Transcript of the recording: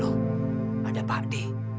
nih ada pak d